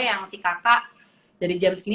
yang si kakak dari jam segini